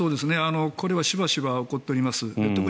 これはしばしば起こっております。